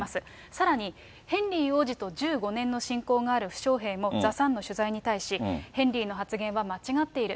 さらに、ヘンリー王子と１５年の親交がある負傷兵もザ・サンの取材に対し、ヘンリーの発言は間違っている。